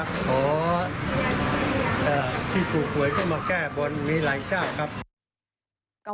แต่ที่ฝูกฝวยก็มาแก้บนมีหลายชาติครับ